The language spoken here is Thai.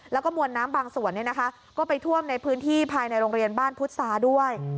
แล้วก็มวลน้ำบางส่วนก็ไปท่วมในพื้นที่ภายในโรงเรียนบ้านพุษาด้วย